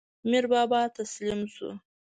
میربابا تسلیم شو.